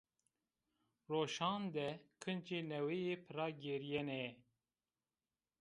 Roşan de kincê neweyî pira gîrîyenê